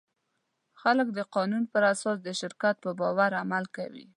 خلک د قانون پر اساس د شرکت په باور عمل کوي.